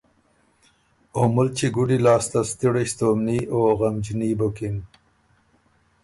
او مُلچی ګُډی لاسته ستِړئ ستومني او غمجني بُکِن